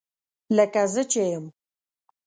لکه زه چې یم